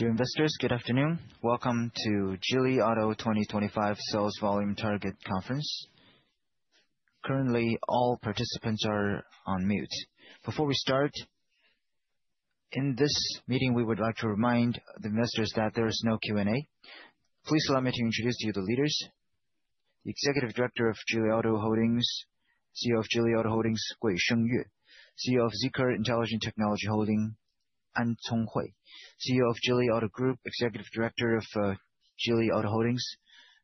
Dear investors, good afternoon. Welcome to Geely Auto 2025 Sales Volume Target Conference. Currently, all participants are on mute. Before we start, in this meeting, we would like to remind the investors that there is no Q&A. Please allow me to introduce to you the leaders: the Executive Director of Geely Auto Holdings, CEO of Geely Auto Holdings, Gui Shengyue. CEO of ZEEKR Intelligent Technology Holding, An Conghui. CEO of Geely Auto Group, Executive Director of Geely Auto Holdings,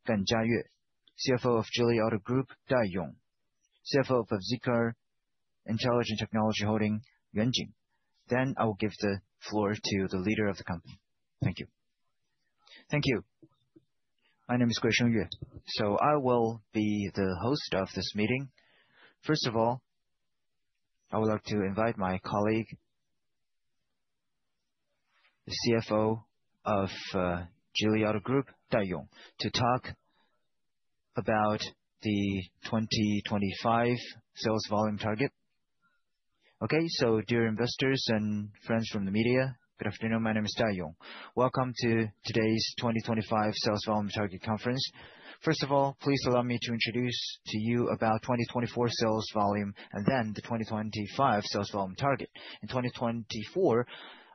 Gan Jiayue. CFO of Geely Auto Group, Dai Yong. CFO of ZEEKR Intelligent Technology Holding, Yuan Jing. Then I will give the floor to the leader of the company. Thank you. Thank you. My name is Gui Shengyue, so I will be the host of this meeting. First of all, I would like to invite my colleague, the CFO of Geely Auto Group, Dai Yong, to talk about the 2025 Sales Volume Target. Okay, so dear investors and friends from the media, good afternoon. My name is Dai Yong. Welcome to today's 2025 Sales Volume Target Conference. First of all, please allow me to introduce to you about 2024 Sales Volume and then the 2025 Sales Volume Target. In 2024,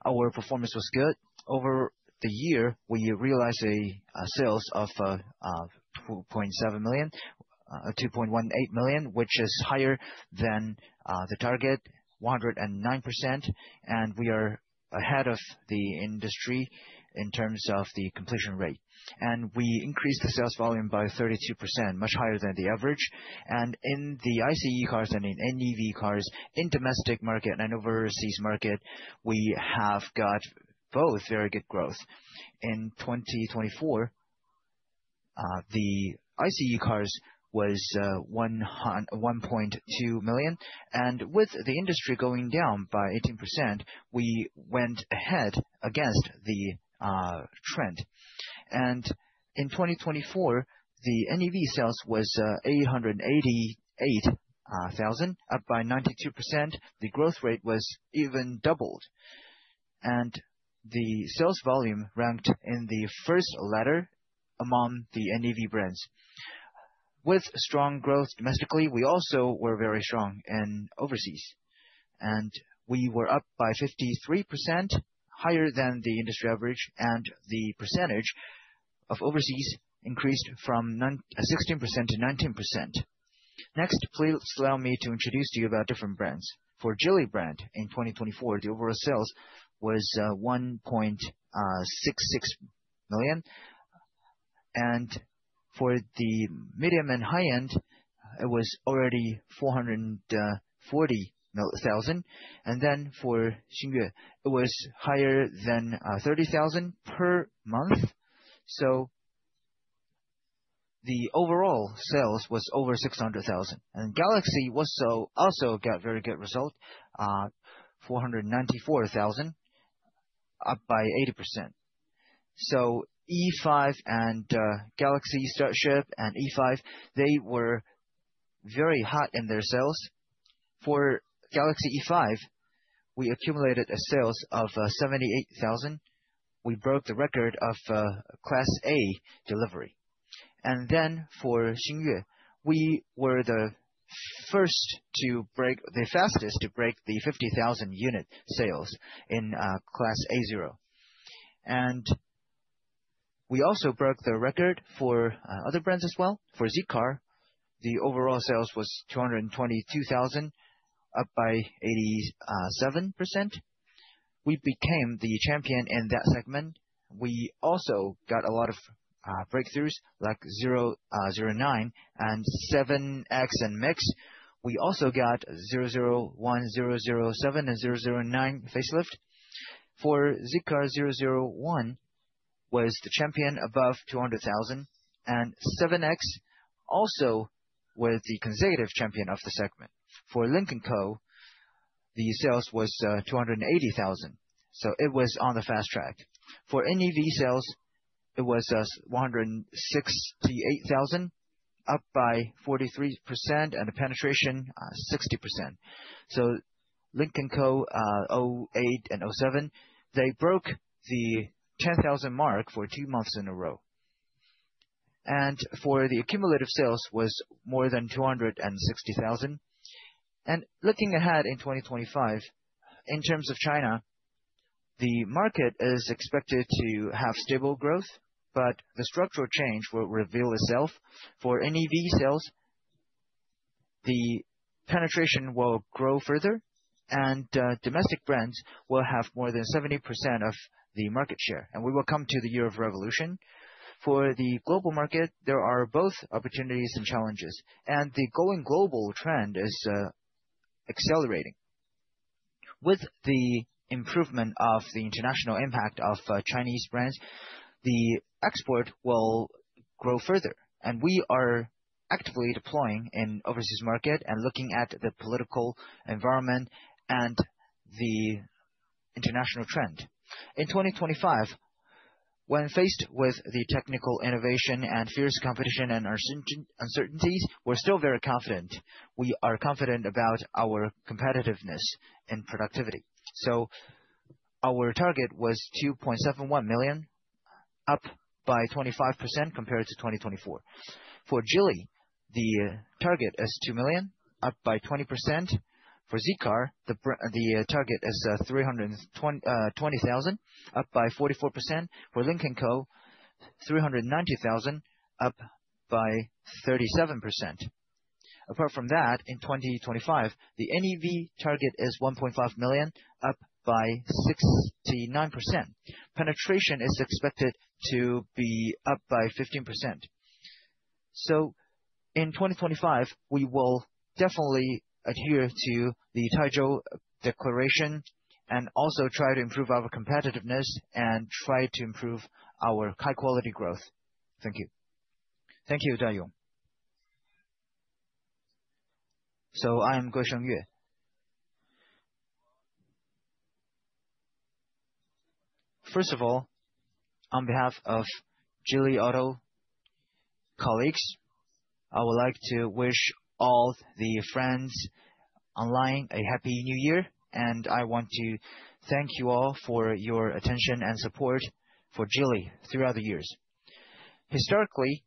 our performance was good. Over the year, we realized a sales of 2.7 million, 2.18 million, which is higher than the target, 109%. We are ahead of the industry in terms of the completion rate. We increased the sales volume by 32%, much higher than the average. In the ICE cars and in NEV cars, in domestic market and overseas market, we have got both very good growth. In 2024, the ICE cars was 1.2 million, and with the industry going down by 18%, we went ahead against the trend. In 2024, the NEV sales was 888,000, up by 92%. The growth rate was even doubled, and the sales volume ranked in the first ladder among the NEV brands. With strong growth domestically, we also were very strong in overseas, and we were up by 53%, higher than the industry average, and the percentage of overseas increased from 16% to 19%. Next, please allow me to introduce to you about different brands. For Geely brand, in 2024, the overall sales was 1.66 million, and for the medium and high-end, it was already 440,000, and then for Xingyue, it was higher than 30,000 per month, so the overall sales was over 600,000, and Galaxy also got very good results, 494,000, up by 80%. E5 and Galaxy Starship and E5 were very hot in their sales. For Galaxy E5, we accumulated sales of 78,000. We broke the record of Class A delivery. Then for Xingyue, we were the first to break, the fastest to break the 50,000 unit sales in Class A0. We also broke the record for other brands as well. For Zeekr, the overall sales was 222,000, up by 87%. We became the champion in that segment. We also got a lot of breakthroughs like 009 and 7X and MIX. We also got 001, 007, and 009 facelift. For Zeekr, 001 was the champion above 200,000. 7X also was the consecutive champion of the segment. For Lynk & Co, the sales was 280,000. It was on the fast track. For NEV sales, it was 168,000, up by 43% and the penetration 60%. So Lynk & Co 08 and 07, they broke the 10,000 mark for two months in a row. And for the accumulative sales, it was more than 260,000. And looking ahead in 2025, in terms of China, the market is expected to have stable growth, but the structural change will reveal itself. For NEV sales, the penetration will grow further, and domestic brands will have more than 70% of the market share. And we will come to the year of revolution. For the global market, there are both opportunities and challenges. And the going global trend is accelerating. With the improvement of the international impact of Chinese brands, the export will grow further. And we are actively deploying in the overseas market and looking at the political environment and the international trend. In 2025, when faced with the technical innovation and fierce competition and uncertainties, we're still very confident. We are confident about our competitiveness and productivity, so our target was 2.71 million, up by 25% compared to 2024. For Geely, the target is 2 million, up by 20%. For Zeekr, the target is 320,000, up by 44%. For Lynk & Co, 390,000, up by 37%. Apart from that, in 2025, the NEV target is 1.5 million, up by 69%. Penetration is expected to be up by 15%, so in 2025, we will definitely adhere to the Taizhou Declaration and also try to improve our competitiveness and try to improve our high-quality growth. Thank you. Thank you, Dai Yong, so I am Gui Shengyue. First of all, on behalf of Geely Auto colleagues, I would like to wish all the friends online a Happy New Year, and I want to thank you all for your attention and support for Geely throughout the years. Historically,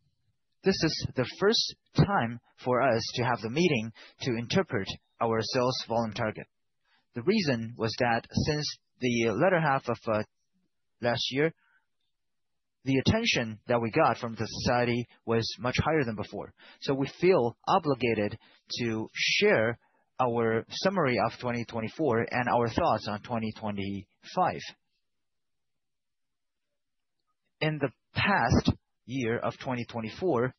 this is the first time for us to have the meeting to interpret our sales volume target. The reason was that since the latter half of last year, the attention that we got from the society was much higher than before. So we feel obligated to share our summary of 2024 and our thoughts on 2025. In the past year of 2024,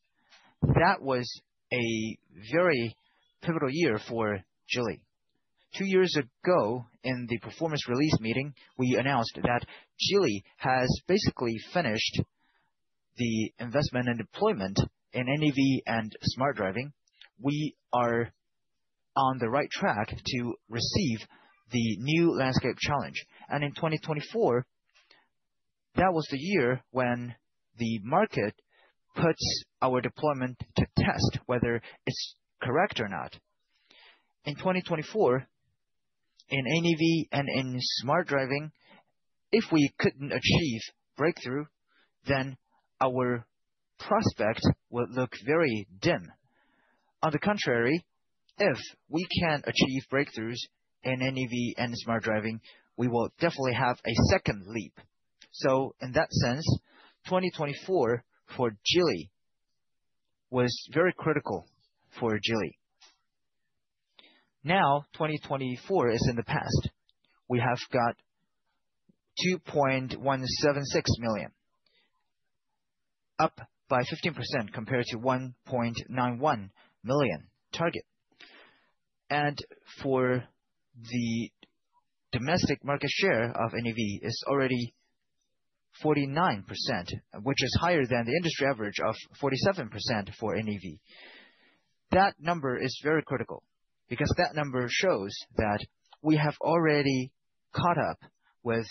that was a very pivotal year for Geely. Two years ago, in the performance release meeting, we announced that Geely has basically finished the investment and deployment in NEV and smart driving. We are on the right track to receive the new landscape challenge. And in 2024, that was the year when the market puts our deployment to test whether it's correct or not. In 2024, in NEV and in smart driving, if we couldn't achieve breakthrough, then our prospect will look very dim. On the contrary, if we can achieve breakthroughs in NEV and smart driving, we will definitely have a second leap. So in that sense, 2024 for Geely was very critical for Geely. Now, 2024 is in the past. We have got 2.176 million, up by 15% compared to 1.91 million target. And for the domestic market share of NEV, it's already 49%, which is higher than the industry average of 47% for NEV. That number is very critical because that number shows that we have already caught up with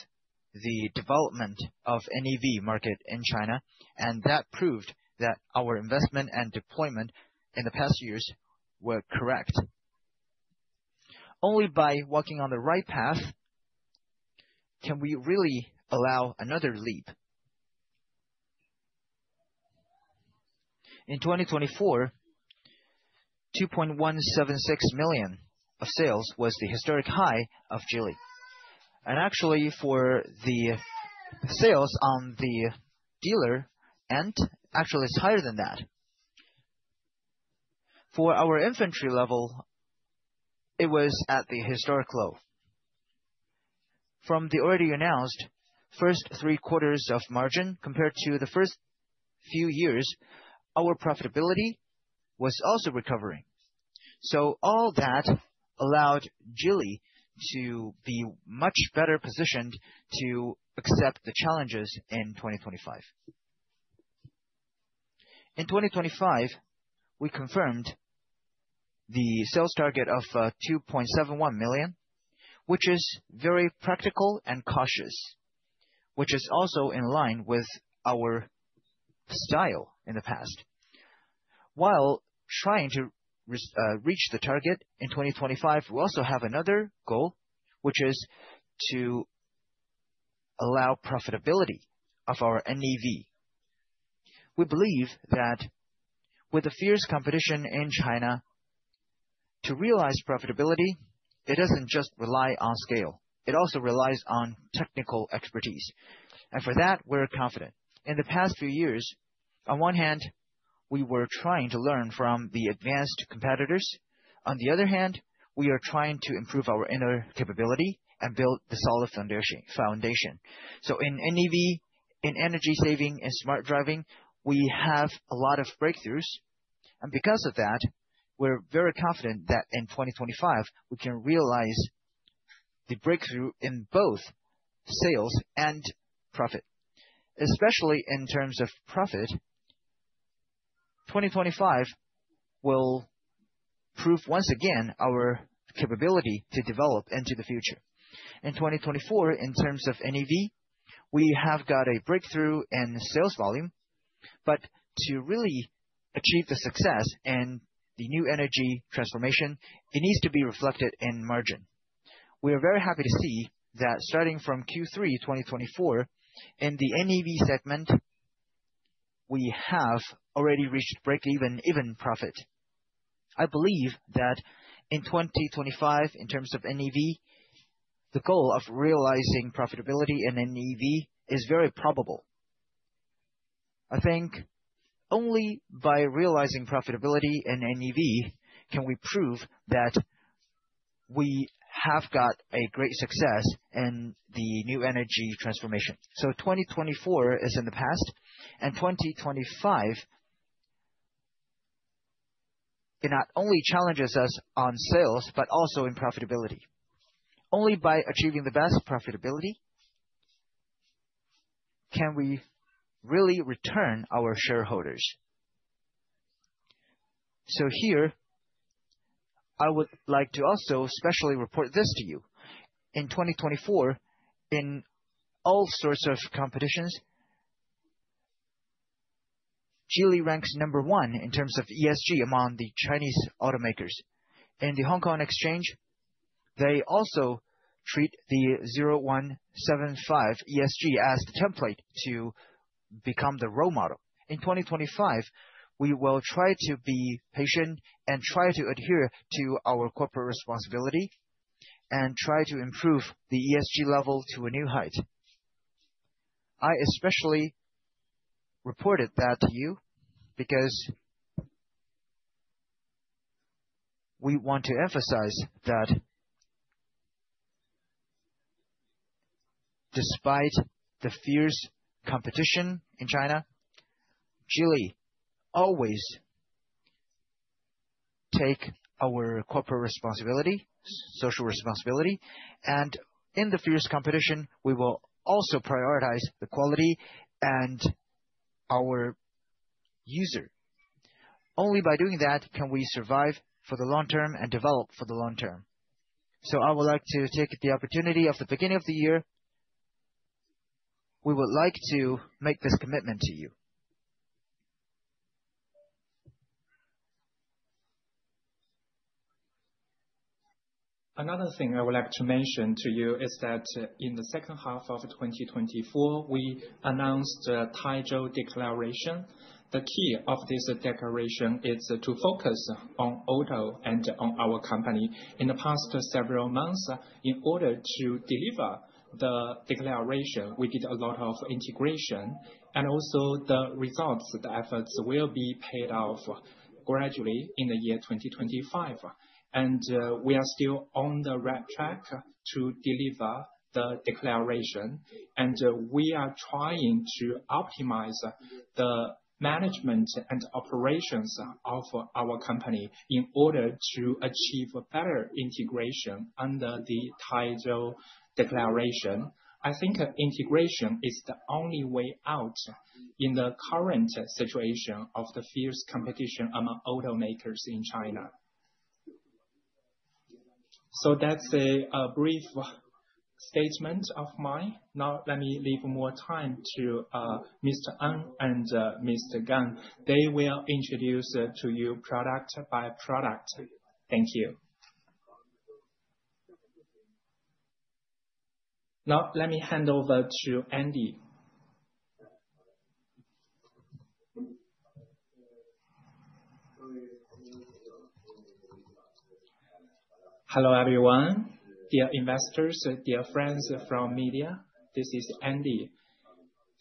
the development of NEV market in China. And that proved that our investment and deployment in the past years were correct. Only by walking on the right path can we really allow another leap. In 2024, 2.176 million of sales was the historic high of Geely. And actually, for the sales on the dealer end, actually it's higher than that. For our inventory level, it was at the historic low. From the already announced first three quarters of margin compared to the first few years, our profitability was also recovering. So all that allowed Geely to be much better positioned to accept the challenges in 2025. In 2025, we confirmed the sales target of 2.71 million, which is very practical and cautious, which is also in line with our style in the past. While trying to reach the target in 2025, we also have another goal, which is to allow profitability of our NEV. We believe that with the fierce competition in China, to realize profitability, it doesn't just rely on scale. It also relies on technical expertise. And for that, we're confident. In the past few years, on one hand, we were trying to learn from the advanced competitors. On the other hand, we are trying to improve our inner capability and build the solid foundation. So in NEV, in energy saving and smart driving, we have a lot of breakthroughs. And because of that, we're very confident that in 2025, we can realize the breakthrough in both sales and profit. Especially in terms of profit, 2025 will prove once again our capability to develop into the future. In 2024, in terms of NEV, we have got a breakthrough in sales volume. But to really achieve the success and the new energy transformation, it needs to be reflected in margin. We are very happy to see that starting from Q3 2024, in the NEV segment, we have already reached break-even profit. I believe that in 2025, in terms of NEV, the goal of realizing profitability in NEV is very probable. I think only by realizing profitability in NEV can we prove that we have got a great success in the new energy transformation. So 2024 is in the past. And 2025 not only challenges us on sales, but also in profitability. Only by achieving the best profitability can we really return our shareholders. So here, I would like to also especially report this to you. In 2024, in all sorts of competitions, Geely ranks number one in terms of ESG among the Chinese automakers. In the Hong Kong Exchange, they also treat the 0175 ESG as the template to become the role model. In 2025, we will try to be patient and try to adhere to our corporate responsibility and try to improve the ESG level to a new height. I especially reported that to you because we want to emphasize that despite the fierce competition in China, Geely always takes our corporate responsibility, social responsibility, and in the fierce competition, we will also prioritize the quality and our user. Only by doing that can we survive for the long term and develop for the long term, so I would like to take the opportunity of the beginning of the year. We would like to make this commitment to you. Another thing I would like to mention to you is that in the second half of 2024, we announced the Taizhou Declaration. The key of this declaration is to focus on auto and on our company. In the past several months, in order to deliver the declaration, we did a lot of integration, and also the results, the efforts will be paid off gradually in the year 2025. We are still on the right track to deliver the declaration. We are trying to optimize the management and operations of our company in order to achieve better integration under the Taizhou Declaration. I think integration is the only way out in the current situation of the fierce competition among automakers in China. That's a brief statement of mine. Now, let me leave more time to Mr. An and Mr. Gan. They will introduce to you product by product. Thank you. Now, let me hand over to Andy. Hello everyone. Dear investors, dear friends from media, this is Andy.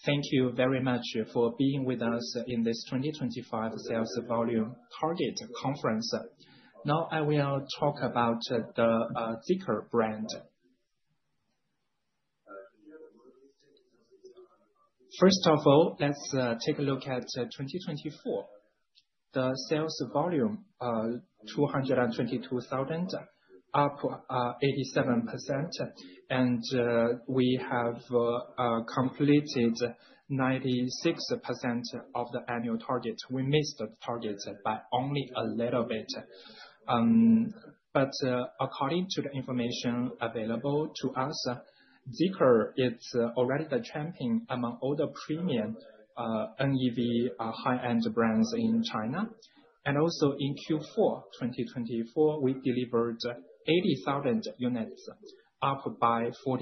Thank you very much for being with us in this 2025 Sales Volume Target Conference. Now, I will talk about the Zeekr brand. First of all, let's take a look at 2024. The sales volume is 222,000, up 87%. We have completed 96% of the annual target. We missed the target by only a little bit, but according to the information available to us, Zeekr is already the champion among all the premium NEV high-end brands in China. And also in Q4 2024, we delivered 80,000 units, up by 44%.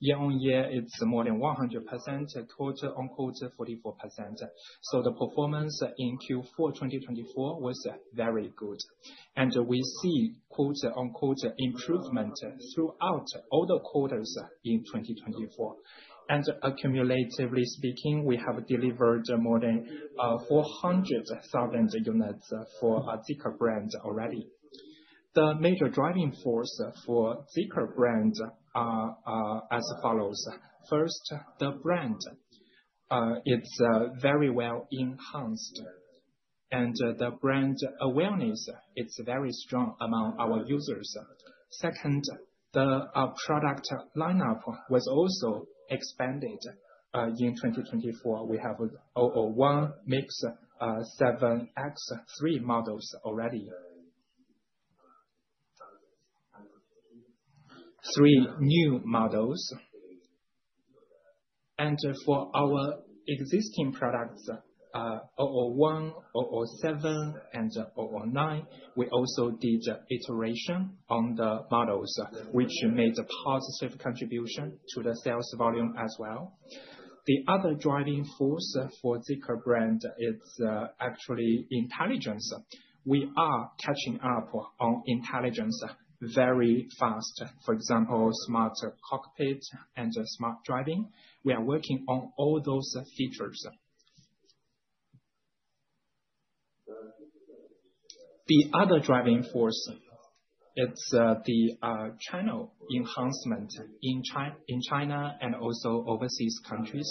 Year on year, it's more than 100%; quarter on quarter, 44%. So the performance in Q4 2024 was very good, and we see quarter on quarter improvement throughout all the quarters in 2024. And accumulatively speaking, we have delivered more than 400,000 units for Zeekr brand already. The major driving force for Zeekr brand is as follows. First, the brand is very well enhanced, and the brand awareness is very strong among our users. Second, the product lineup was also expanded. In 2024, we have a 001, MIX, 7X—three models already, three new models. For our existing products, 001, 007, and 009, we also did iterations on the models, which made a positive contribution to the sales volume as well. The other driving force for Zeekr brand is actually intelligence. We are catching up on intelligence very fast. For example, smart cockpit and smart driving. We are working on all those features. The other driving force is the channel enhancement in China and also overseas countries.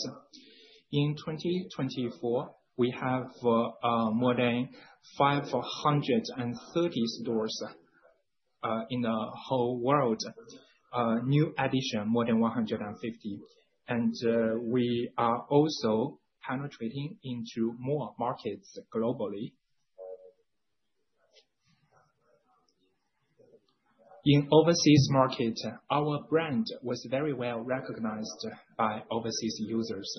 In 2024, we have more than 530 stores in the whole world, new addition, more than 150. And we are also penetrating into more markets globally. In overseas market, our brand was very well recognized by overseas users.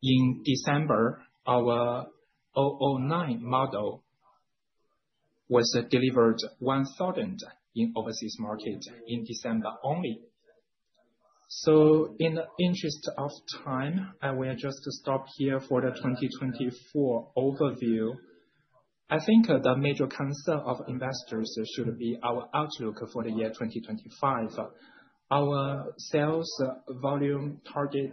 In December, our 009 model was delivered 1,000 in overseas market in December only. In the interest of time, I will just stop here for the 2024 overview. I think the major concern of investors should be our outlook for the year 2025. Our sales volume target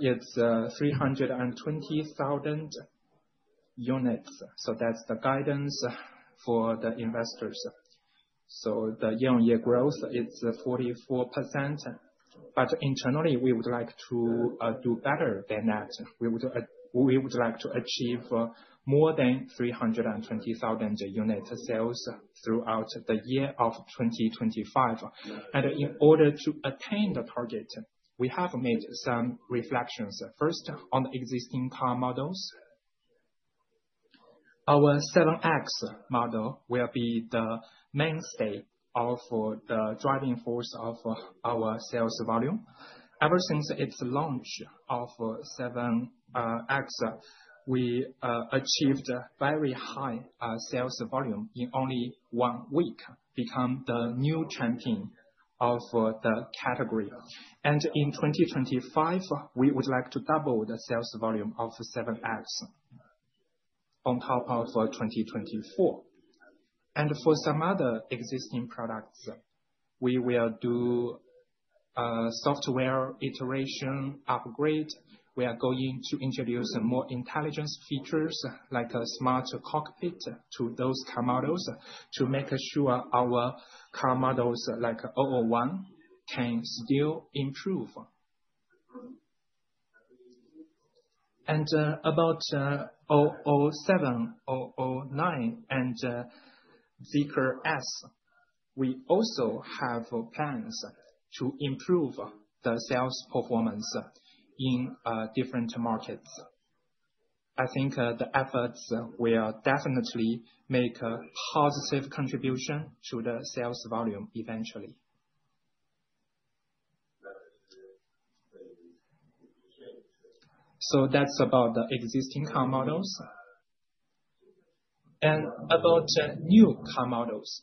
is 320,000 units. So that's the guidance for the investors. So the year on year growth is 44%. But internally, we would like to do better than that. We would like to achieve more than 320,000 unit sales throughout the year of 2025. And in order to attain the target, we have made some reflections. First, on the existing car models, our 7X model will be the mainstay of the driving force of our sales volume. Ever since its launch of 7X, we achieved very high sales volume in only one week, becoming the new champion of the category. And in 2025, we would like to double the sales volume of 7X on top of 2024. And for some other existing products, we will do software iteration upgrade. We are going to introduce more intelligence features, like a smart cockpit, to those car models to make sure our car models like 001 can still improve. And about 007, 009, and Zeekr X, we also have plans to improve the sales performance in different markets. I think the efforts will definitely make a positive contribution to the sales volume eventually. So that's about the existing car models. And about new car models,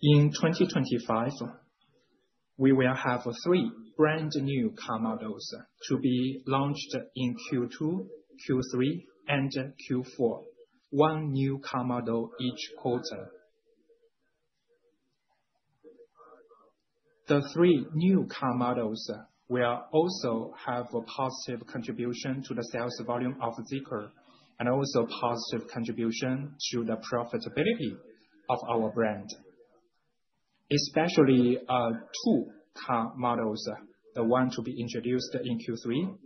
in 2025, we will have three brand new car models to be launched in Q2, Q3, and Q4, one new car model each quarter. The three new car models will also have a positive contribution to the sales volume of Zeekr and also a positive contribution to the profitability of our brand. Especially two car models, the one to be introduced in Q3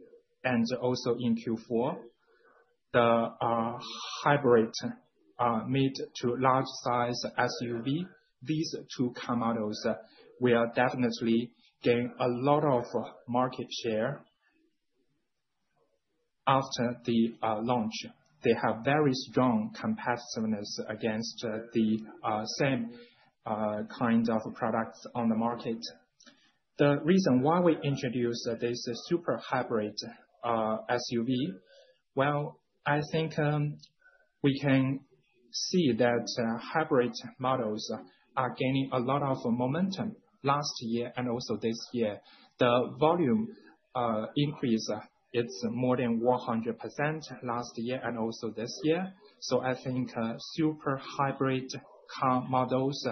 and also in Q4, the hybrid mid to large size SUV. These two car models will definitely gain a lot of market share after the launch. They have very strong competitiveness against the same kind of products on the market. The reason why we introduced this super hybrid SUV, well, I think we can see that hybrid models are gaining a lot of momentum last year and also this year. The volume increase is more than 100% last year and also this year. So I think super hybrid car models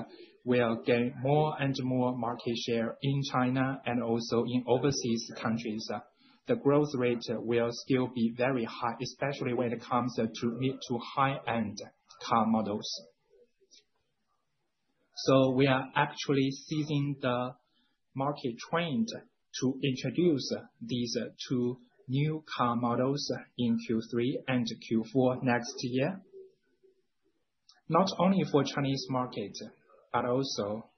will gain more and more market share in China and also in overseas countries. The growth rate will still be very high, especially when it comes to mid to high-end car models. So we are actually seizing the market trend to introduce these two new car models in Q3 and Q4 next year, not only for the Chinese market, but also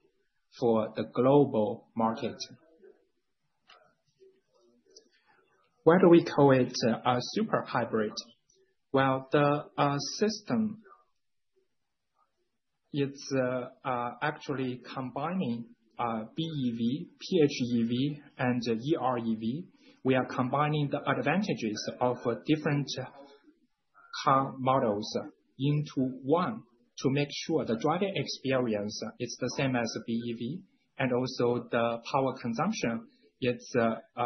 for the global market. Why do we call it a super hybrid? Well, the system is actually combining BEV, PHEV, and EREV. We are combining the advantages of different car models into one to make sure the driving experience is the same as BEV. And also the power consumption is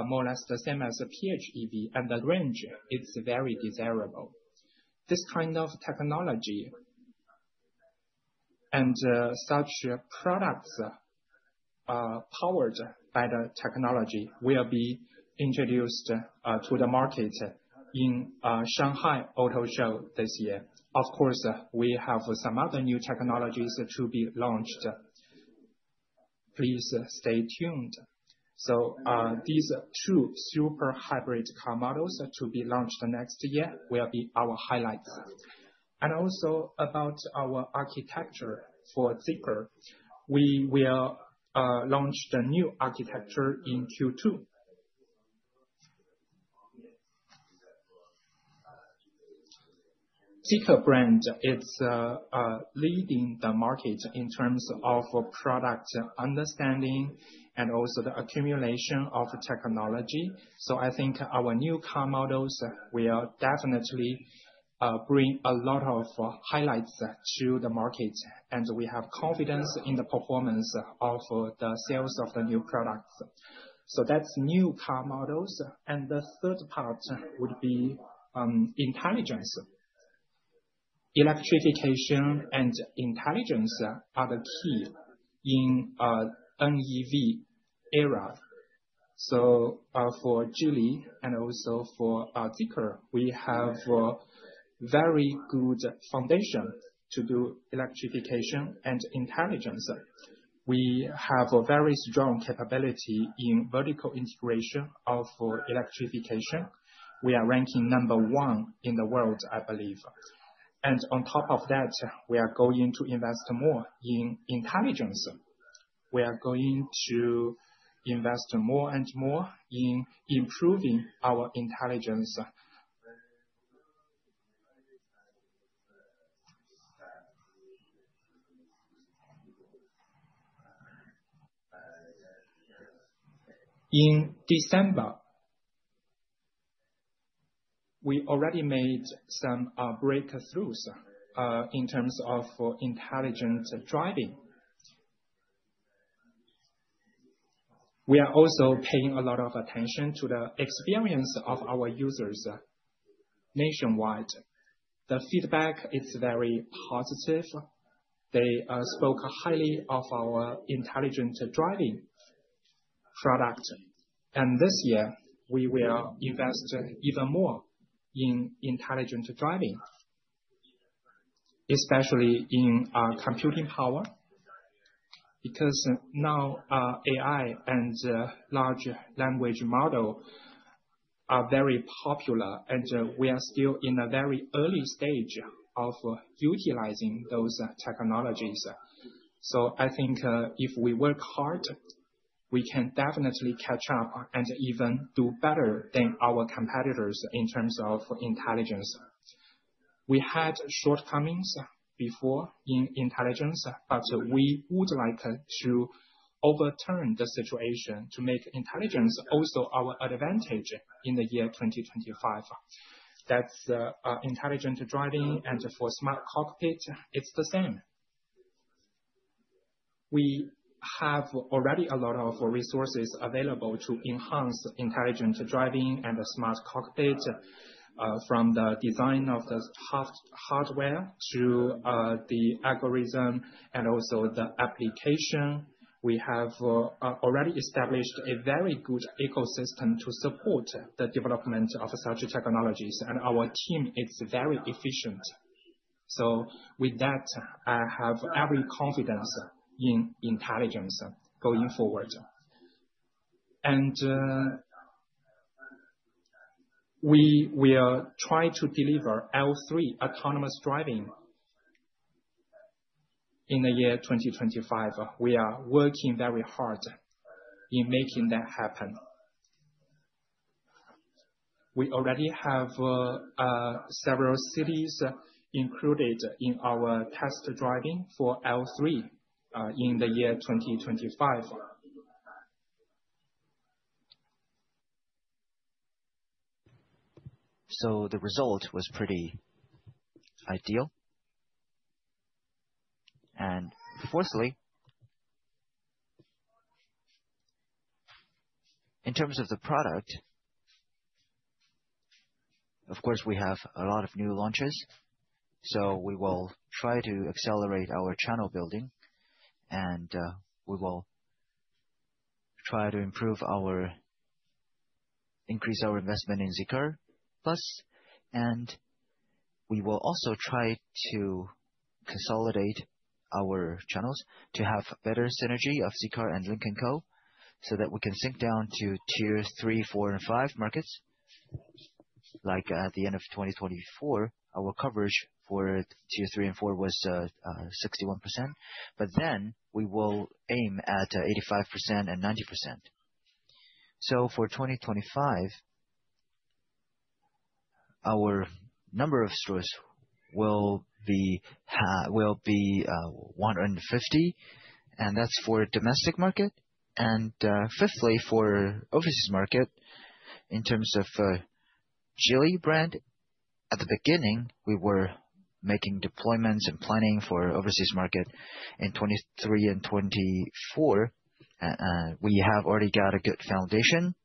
more or less the same as PHEV. And the range is very desirable. This kind of technology and such products powered by the technology will be introduced to the market in Shanghai Auto Show this year. Of course, we have some other new technologies to be launched. Please stay tuned. So these two super hybrid car models to be launched next year will be our highlights. And also about our architecture for Zeekr, we will launch the new architecture in Q2. Zeekr brand is leading the market in terms of product understanding and also the accumulation of technology. So I think our new car models will definitely bring a lot of highlights to the market. And we have confidence in the performance of the sales of the new products. So that's new car models. And the third part would be intelligence. Electrification and intelligence are the key in NEV era. So for Geely and also for Zeekr, we have a very good foundation to do electrification and intelligence. We have a very strong capability in vertical integration of electrification. We are ranking number one in the world, I believe. And on top of that, we are going to invest more in intelligence. We are going to invest more and more in improving our intelligence. In December, we already made some breakthroughs in terms of intelligent driving. We are also paying a lot of attention to the experience of our users nationwide. The feedback is very positive. They spoke highly of our intelligent driving product, and this year, we will invest even more in intelligent driving, especially in computing power, because now AI and large language models are very popular, and we are still in a very early stage of utilizing those technologies, so I think if we work hard, we can definitely catch up and even do better than our competitors in terms of intelligence. We had shortcomings before in intelligence, but we would like to overturn the situation to make intelligence also our advantage in the year 2025. That's intelligent driving, and for smart cockpit, it's the same. We have already a lot of resources available to enhance intelligent driving and smart cockpit from the design of the hardware to the algorithm and also the application. We have already established a very good ecosystem to support the development of such technologies, and our team is very efficient, so with that, I have every confidence in intelligence going forward, and we will try to deliver L3 autonomous driving in the year 2025. We are working very hard in making that happen. We already have several cities included in our test driving for L3 in the year 2025, so the result was pretty ideal, and fourthly, in terms of the product, of course, we have a lot of new launches, so we will try to accelerate our channel building, and we will try to increase our investment in Zeekr plus. We will also try to consolidate our channels to have better synergy of Zeekr and Lynk & Co. So that we can sync down to tier three, four, and five markets. Like at the end of 2024, our coverage for tier three and four was 61%. But then we will aim at 85% and 90%. So for 2025, our number of stores will be 150. And that's for domestic market. And fifthly, for overseas market, in terms of Geely brand, at the beginning, we were making deployments and planning for overseas market in 2023 and 2024. We have already got a good foundation.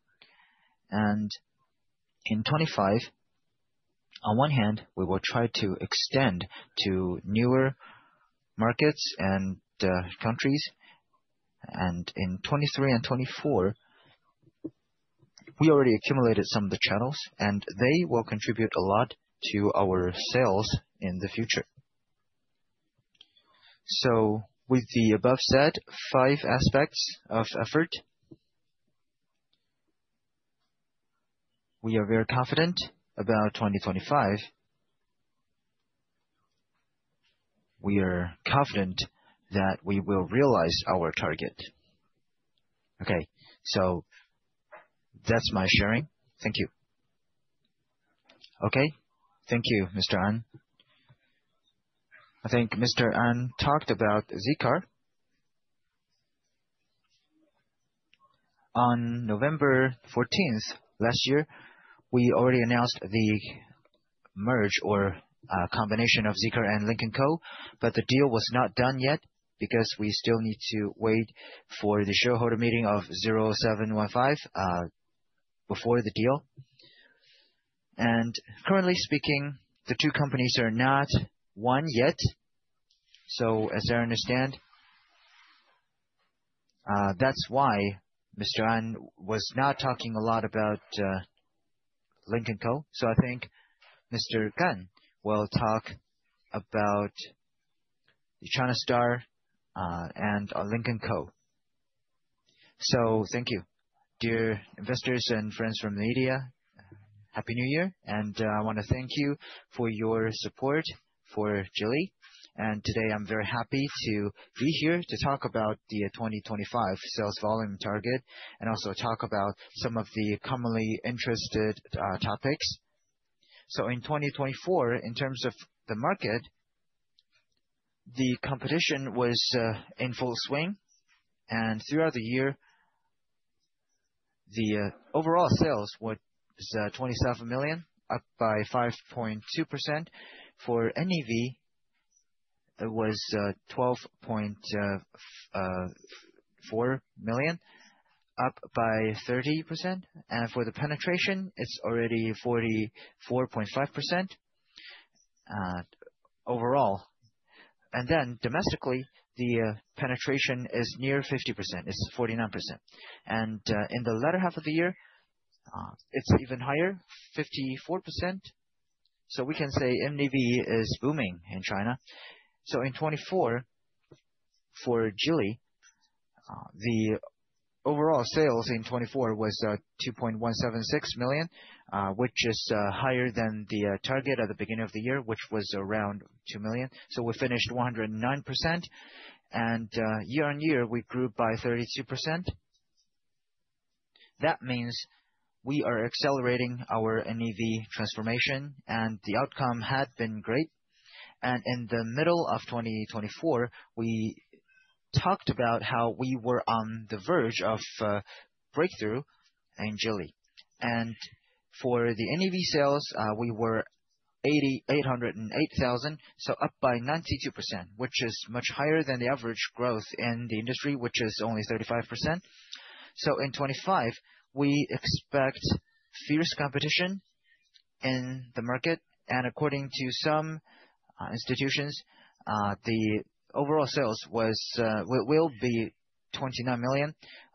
And in 2025, on one hand, we will try to extend to newer markets and countries. And in 2023 and 2024, we already accumulated some of the channels. And they will contribute a lot to our sales in the future. So with the above said, five aspects of effort, we are very confident about 2025. We are confident that we will realize our target. Okay. So that's my sharing. Thank you. Okay. Thank you, Mr. An. I think Mr. An talked about Zeekr. On November 14th last year, we already announced the merge or combination of Zeekr and Lynk & Co. But the deal was not done yet because we still need to wait for the shareholder meeting of 0175 before the deal. And currently speaking, the two companies are not one yet. So as I understand, that's why Mr. An was not talking a lot about Lynk & Co. So I think Mr. Gan will talk about the Galaxy and Lynk & Co. So thank you, dear investors and friends from the media. Happy New Year. And I want to thank you for your support for Geely. And today, I'm very happy to be here to talk about the 2025 sales volume target and also talk about some of the commonly interested topics. So in 2024, in terms of the market, the competition was in full swing. And throughout the year, the overall sales were 27 million, up by 5.2%. For NEV, it was 12.4 million, up by 30%. And for the penetration, it's already 44.5% overall. And then domestically, the penetration is near 50%. It's 49%. And in the latter half of the year, it's even higher, 54%. So we can say NEV is booming in China. So in 2024, for Geely, the overall sales in 2024 was 2.176 million, which is higher than the target at the beginning of the year, which was around 2 million. So we finished 109%. And year on year, we grew by 32%. That means we are accelerating our NEV transformation, and the outcome had been great. In the middle of 2024, we talked about how we were on the verge of breakthrough in Geely, and for the NEV sales, we were 808,000, so up by 92%, which is much higher than the average growth in the industry, which is only 35%. In 2025, we expect fierce competition in the market, and according to some institutions, the overall sales will be 29 million,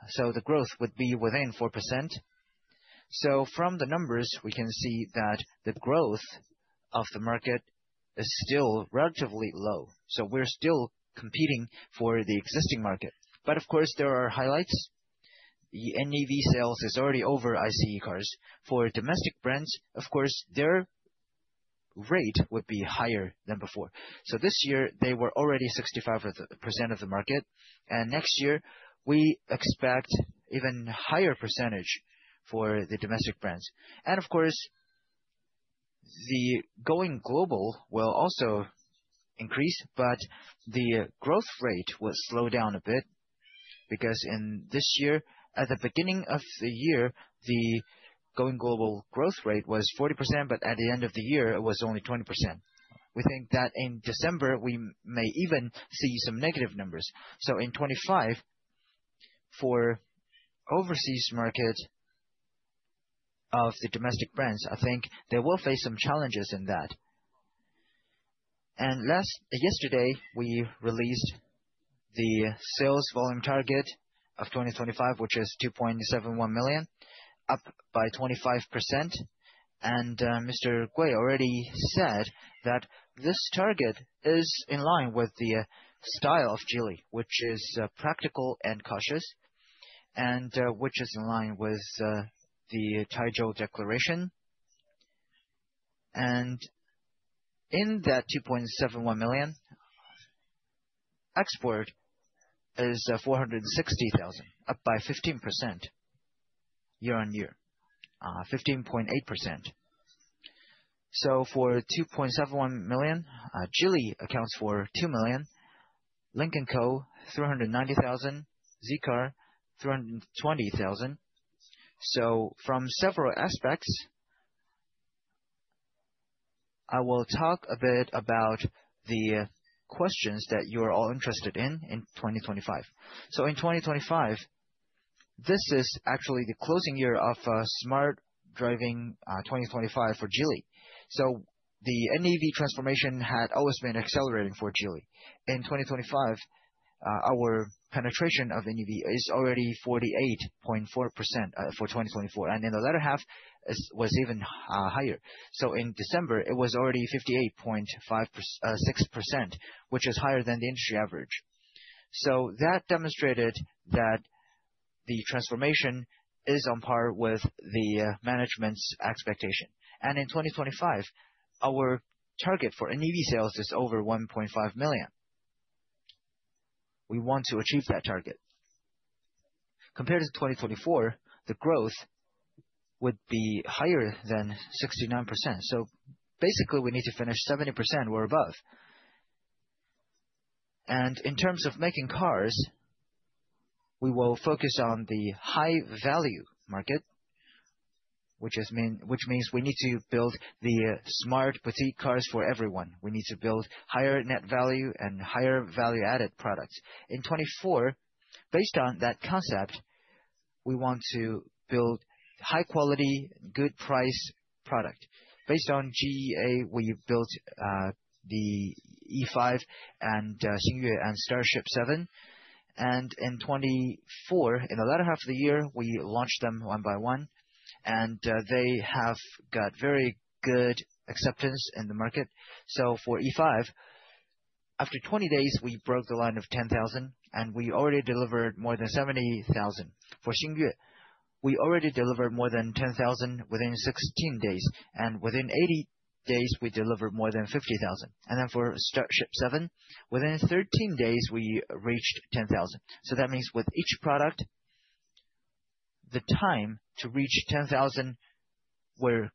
so the growth would be within 4%. From the numbers, we can see that the growth of the market is still relatively low, so we're still competing for the existing market, but of course, there are highlights. The NEV sales is already over ICE cars. For domestic brands, of course, their rate would be higher than before, so this year, they were already 65% of the market. Next year, we expect an even higher percentage for the domestic brands. Of course, the going global will also increase, but the growth rate will slow down a bit because in this year, at the beginning of the year, the going global growth rate was 40%, but at the end of the year, it was only 20%. We think that in December, we may even see some negative numbers. In 2025, for overseas market of the domestic brands, I think they will face some challenges in that. Yesterday, we released the sales volume target of 2025, which is 2.71 million, up by 25%. Mr. Gui already said that this target is in line with the style of Geely, which is practical and cautious, and which is in line with the Taizhou Declaration. And in that 2.71 million, export is 460,000, up by 15% year on year, 15.8%. So for 2.71 million, Geely accounts for 2 million, Lynk & Co 390,000, Zeekr 320,000. So from several aspects, I will talk a bit about the questions that you are all interested in in 2025. So in 2025, this is actually the closing year of smart driving 2025 for Geely. So the NEV transformation had always been accelerating for Geely. In 2025, our penetration of NEV is already 48.4% for 2024. And in the latter half, it was even higher. So in December, it was already 58.6%, which is higher than the industry average. So that demonstrated that the transformation is on par with the management's expectation. And in 2025, our target for NEV sales is over 1.5 million. We want to achieve that target. Compared to 2024, the growth would be higher than 69%. So basically, we need to finish 70% or above. And in terms of making cars, we will focus on the high-value market, which means we need to build the smart boutique cars for everyone. We need to build higher net value and higher value-added products. In 2024, based on that concept, we want to build high-quality, good-price products. Based on GEA, we built the E5 and Xingyue and Starship 7. And in 2024, in the latter half of the year, we launched them one by one. And they have got very good acceptance in the market. So for E5, after 20 days, we broke the line of 10,000, and we already delivered more than 70,000. For Xingyue, we already delivered more than 10,000 within 16 days. And within 80 days, we delivered more than 50,000. And then for Starship 7, within 13 days, we reached 10,000. So that means with each product, the time to reach 10,000 were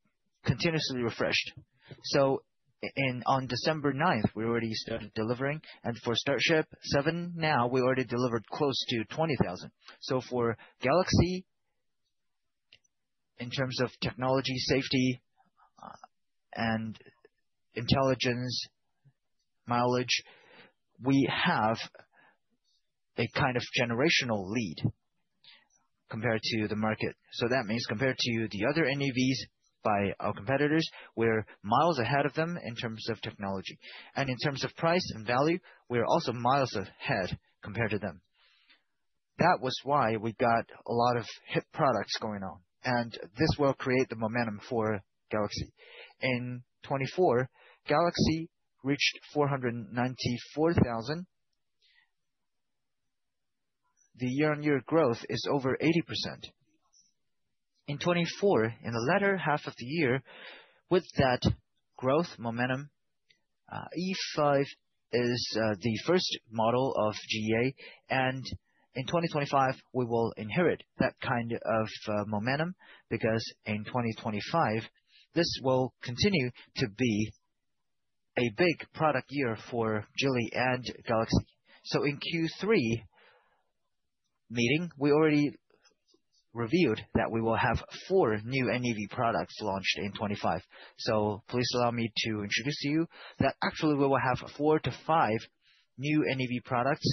continuously refreshed. So on December 9th, we already started delivering. And for Starship 7 now, we already delivered close to 20,000. So for Galaxy, in terms of technology, safety, and intelligence mileage, we have a kind of generational lead compared to the market. So that means compared to the other NEVs by our competitors, we're miles ahead of them in terms of technology. And in terms of price and value, we're also miles ahead compared to them. That was why we got a lot of hit products going on. And this will create the momentum for Galaxy. In 2024, Galaxy reached 494,000. The year on year growth is over 80%. In 2024, in the latter half of the year, with that growth momentum, E5 is the first model of GEA. In 2025, we will inherit that kind of momentum because in 2025, this will continue to be a big product year for Geely and Galaxy. In the Q3 meeting, we already revealed that we will have four new NEV products launched in 2025. Please allow me to introduce to you that actually we will have four to five new NEV products.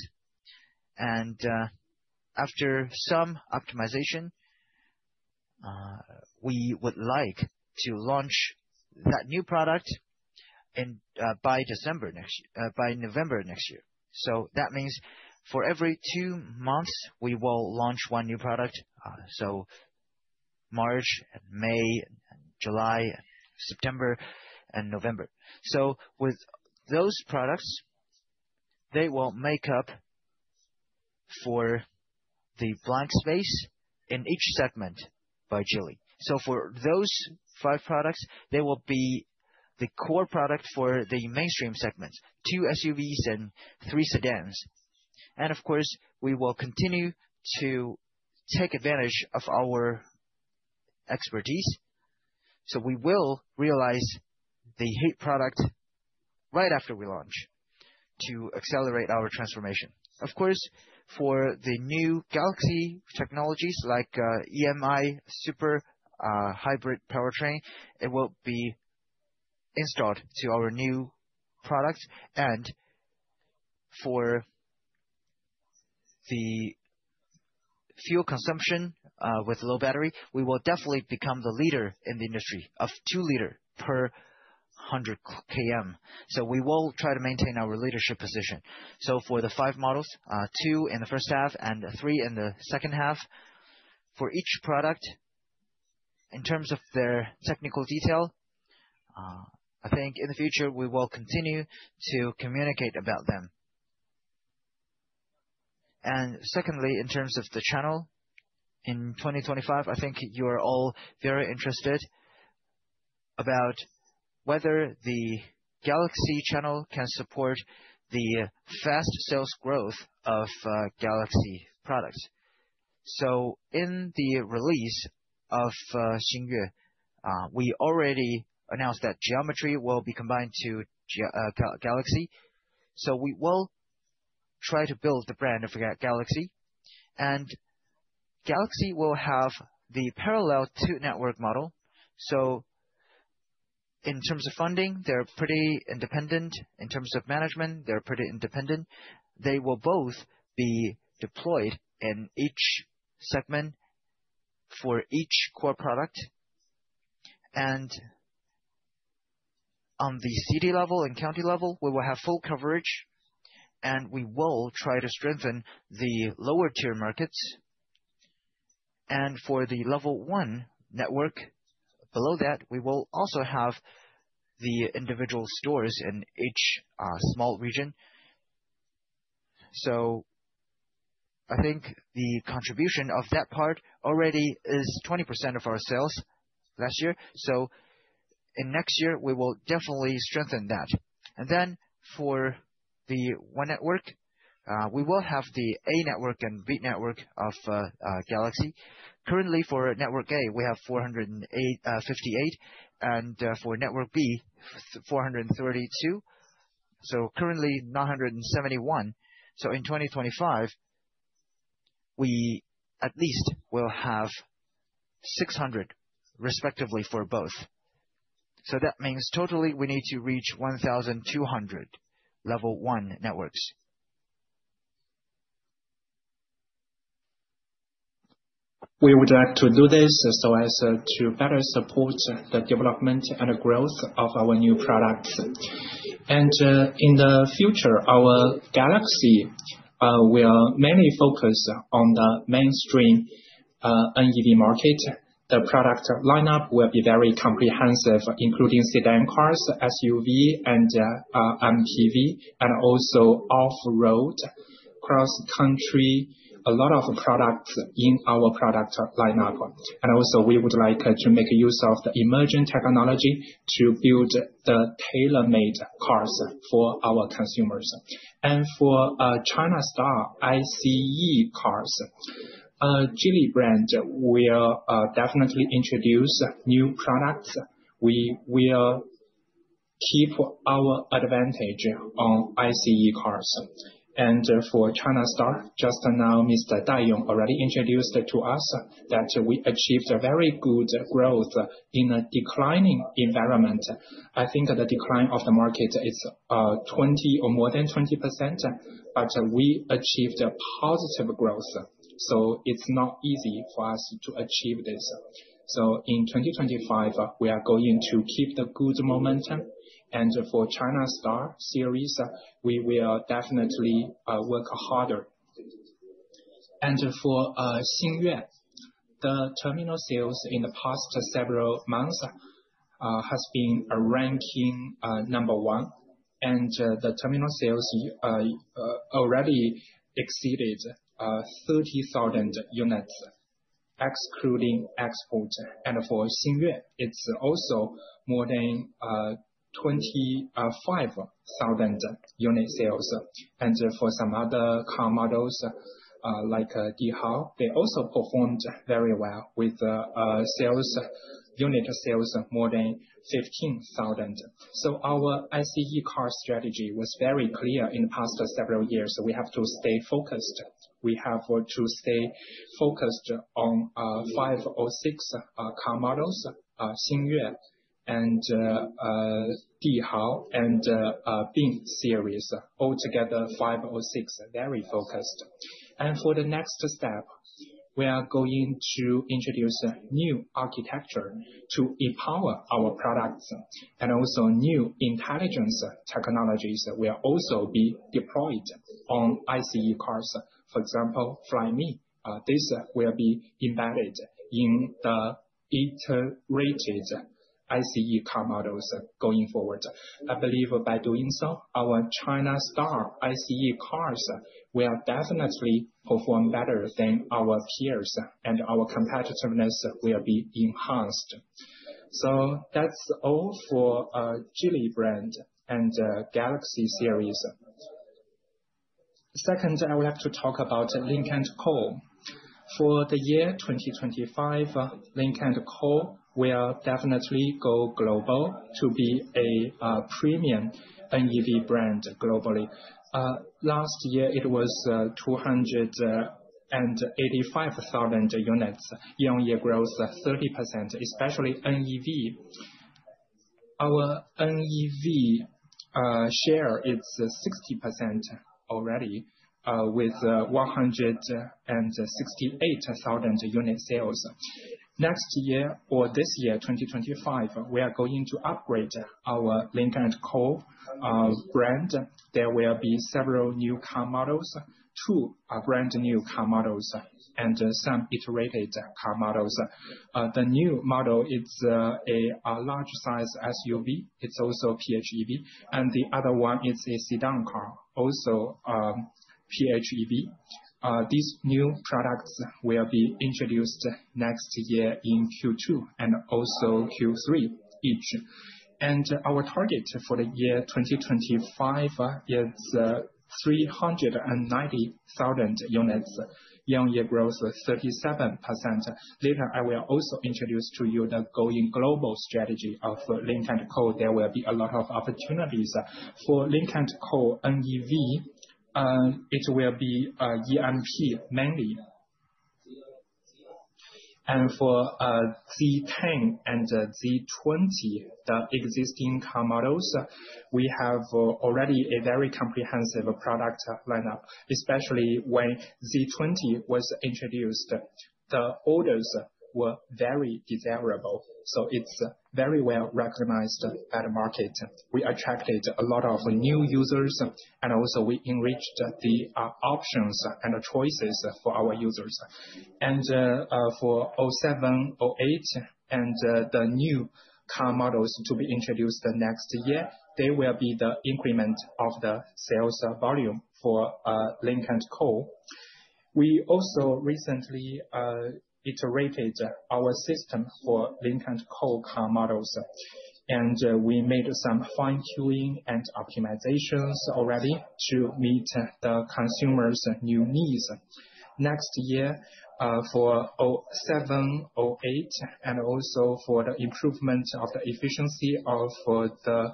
After some optimization, we would like to launch that new product by November next year. That means for every two months, we will launch one new product: March, May, July, September, and November. With those products, they will make up for the blank space in each segment by Geely. For those five products, they will be the core product for the mainstream segments, two SUVs and three sedans. Of course, we will continue to take advantage of our expertise. We will realize the hit product right after we launch to accelerate our transformation. Of course, for the new Galaxy technologies like EM-i, Super Hybrid Powertrain, it will be installed to our new products. And for the fuel consumption with low battery, we will definitely become the leader in the industry of two-liter per 100 km. We will try to maintain our leadership position. For the five models, two in the first half and three in the second half, for each product, in terms of their technical detail, I think in the future, we will continue to communicate about them. And secondly, in terms of the channel, in 2025, I think you are all very interested about whether the Galaxy channel can support the fast sales growth of Galaxy products. In the release of Xingyue, we already announced that Geometry will be combined to Galaxy. So we will try to build the brand of Galaxy. And Galaxy will have the parallel two-network model. So in terms of funding, they're pretty independent. In terms of management, they're pretty independent. They will both be deployed in each segment for each core product. And on the city level and county level, we will have full coverage. And we will try to strengthen the lower-tier markets. And for the level one network below that, we will also have the individual stores in each small region. So I think the contribution of that part already is 20% of our sales last year. So in next year, we will definitely strengthen that. And then for the one network, we will have the A network and B network of Galaxy. Currently, for network A, we have 458. And for network B, 432. So currently, 971. So in 2025, we at least will have 600 respectively for both. So that means totally we need to reach 1,200 level one networks. We would like to do this so as to better support the development and growth of our new products. And in the future, our Galaxy will mainly focus on the mainstream NEV market. The product lineup will be very comprehensive, including sedan cars, SUV, and MPV, and also off-road, cross-country, a lot of products in our product lineup. And also, we would like to make use of the emerging technology to build the tailor-made cars for our consumers. And for China Star, ICE cars, Geely brand will definitely introduce new products. We will keep our advantage on ICE cars. And for China Star, just now, Mr. Dai Yong already introduced to us that we achieved a very good growth in a declining environment. I think the decline of the market is 20% or more than 20%, but we achieved positive growth. So it's not easy for us to achieve this. So in 2025, we are going to keep the good momentum. And for China Star series, we will definitely work harder. And for Xingyue, the terminal sales in the past several months have been ranking number one. And the terminal sales already exceeded 30,000 units, excluding export. And for Xingyue, it's also more than 25,000 unit sales. And for some other car models like Dihao, they also performed very well with unit sales more than 15,000. So our ICE car strategy was very clear in the past several years. We have to stay focused. We have to stay focused on five or six car models, Xingyue and Dihao and Bin series, altogether five or six, very focused. For the next step, we are going to introduce new architecture to empower our products. Also new intelligence technologies will also be deployed on ICE cars. For example, Flyme, this will be embedded in the iterated ICE car models going forward. I believe by doing so, our China Star ICE cars will definitely perform better than our peers, and our competitiveness will be enhanced. That's all for Geely brand and Galaxy series. Second, I would like to talk about Lynk & Co. For the year 2025, Lynk & Co will definitely go global to be a premium NEV brand globally. Last year, it was 285,000 units, year on year growth 30%, especially NEV. Our NEV share is 60% already with 168,000 unit sales. Next year or this year, 2025, we are going to upgrade our Lynk & Co brand. There will be several new car models, two brand new car models, and some iterated car models. The new model is a large-size SUV. It's also PHEV, and the other one is a sedan car, also PHEV. These new products will be introduced next year in Q2 and also Q3 each. Our target for the year 2025 is 390,000 units, year on year growth 37%. Later, I will also introduce to you the going global strategy of Lynk & Co. There will be a lot of opportunities for Lynk & Co NEV. It will be EM-P mainly. For Z10 and Z20, the existing car models, we have already a very comprehensive product lineup. Especially when Z20 was introduced, the orders were very desirable. It's very well recognized by the market. We attracted a lot of new users, and also we enriched the options and choices for our users. For 07, 08, and the new car models to be introduced next year, they will be the increment of the sales volume for Lynk & Co. We also recently iterated our system for Lynk & Co car models. We made some fine-tuning and optimizations already to meet the consumer's new needs. Next year, for 07, 08, and also for the improvement of the efficiency of the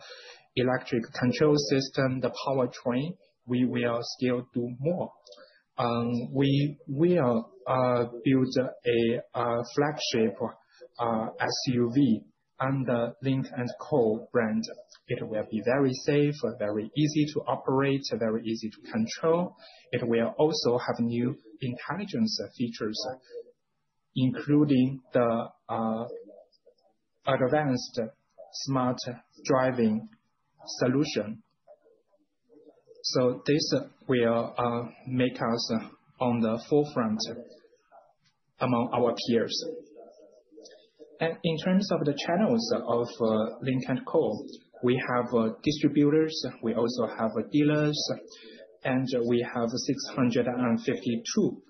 electric control system, the powertrain, we will still do more. We will build a flagship SUV under Lynk & Co brand. It will be very safe, very easy to operate, very easy to control. It will also have new intelligence features, including the advanced smart driving solution. This will make us on the forefront among our peers. In terms of the channels of Lynk & Co, we have distributors. We also have dealers. We have 652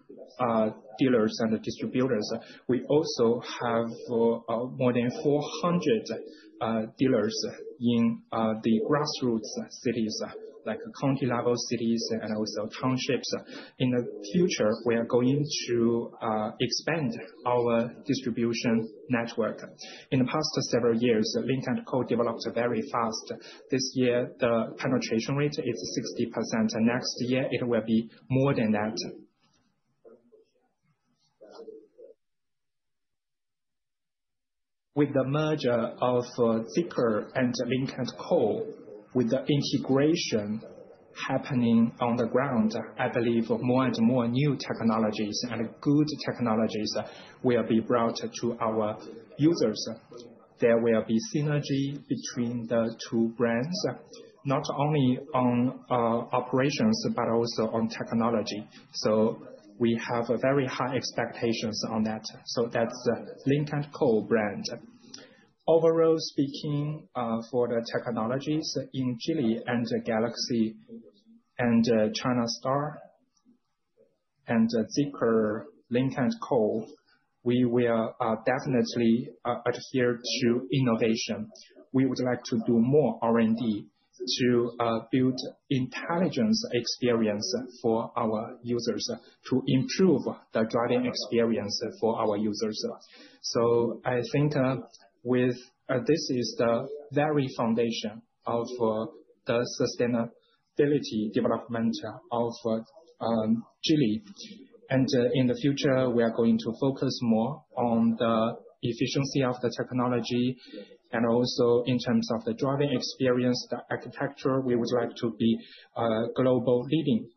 dealers and distributors. We also have more than 400 dealers in the grassroots cities, like county-level cities and also townships. In the future, we are going to expand our distribution network. In the past several years, Lynk & Co developed very fast. This year, the penetration rate is 60%. Next year, it will be more than that. With the merger of Zeekr and Lynk & Co, with the integration happening on the ground, I believe more and more new technologies and good technologies will be brought to our users. There will be synergy between the two brands, not only on operations, but also on technology. So we have very high expectations on that. So that's Lynk & Co brand. Overall speaking, for the technologies in Geely and Galaxy and China Star and Zeekr Lynk & Co, we will definitely adhere to innovation. We would like to do more R&D to build intelligent experience for our users, to improve the driving experience for our users. I think this is the very foundation of the sustainable development of Geely. In the future, we are going to focus more on the efficiency of the technology. Also, in terms of the driving experience, the architecture, we would like to be globally leading.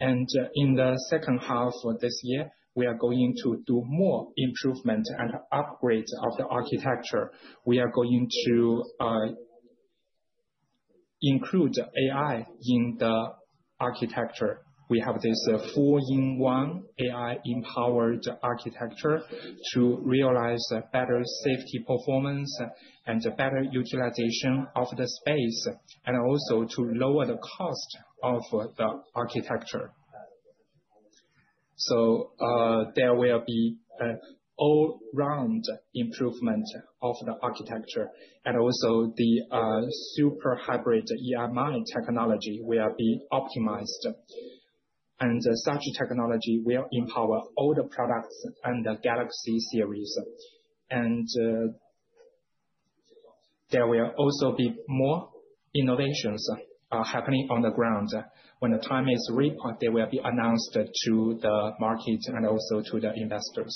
In the second half of this year, we are going to do more improvement and upgrade of the architecture. We are going to include AI in the architecture. We have this four-in-one AI-empowered architecture to realize better safety performance and better utilization of the space, and also to lower the cost of the architecture. There will be an all-round improvement of the architecture. Also, the Super Hybrid EM-i technology will be optimized. Such technology will empower all the products and the Galaxy series. There will also be more innovations happening on the ground. When the time is ripe, they will be announced to the market and also to the investors.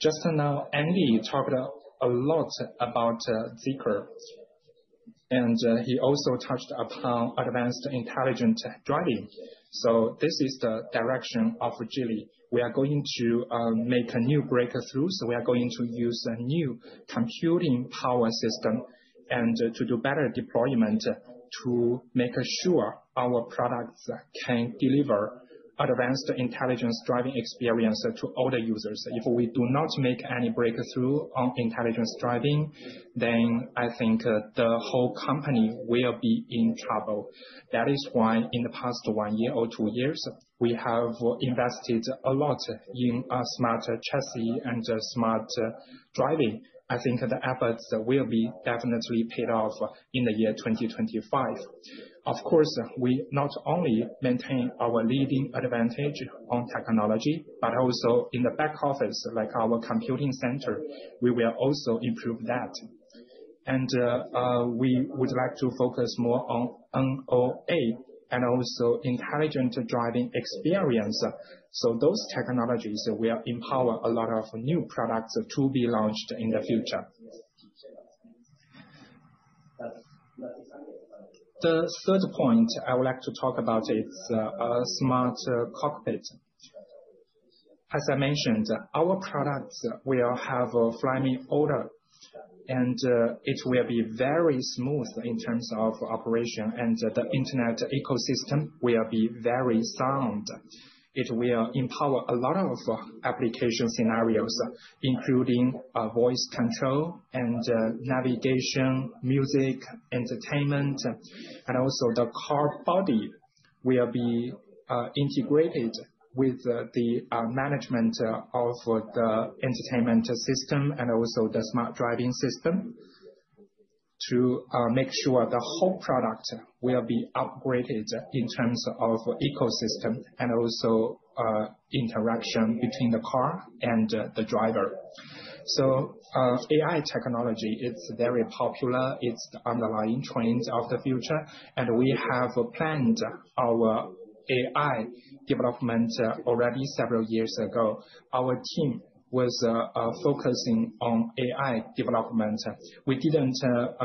Just now, Andy talked a lot about Zeekr. He also touched upon advanced intelligent driving. This is the direction of Geely. We are going to make a new breakthrough. We are going to use a new computing power system and to do better deployment to make sure our products can deliver advanced intelligent driving experience to all the users. If we do not make any breakthrough on intelligent driving, then I think the whole company will be in trouble. That is why in the past one year or two years, we have invested a lot in smart chassis and smart driving. I think the efforts will be definitely paid off in the year 2025. Of course, we not only maintain our leading advantage on technology, but also in the back office, like our computing center, we will also improve that. And we would like to focus more on NOA and also intelligent driving experience. So those technologies will empower a lot of new products to be launched in the future. The third point I would like to talk about is smart cockpit. As I mentioned, our products will have a Flyme Auto, and it will be very smooth in terms of operation, and the internet ecosystem will be very sound. It will empower a lot of application scenarios, including voice control and navigation, music, entertainment, and also the car body will be integrated with the management of the entertainment system and also the smart driving system to make sure the whole product will be upgraded in terms of ecosystem and also interaction between the car and the driver. So AI technology is very popular. It's the underlying trend of the future. And we have planned our AI development already several years ago. Our team was focusing on AI development. We didn't